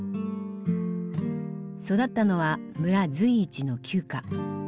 育ったのは村随一の旧家。